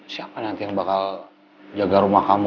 siapa nanti yang bakal jaga rumah kamu